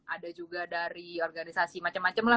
ada juga dari organisasi macam macam lah